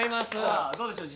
さあどうでしょう？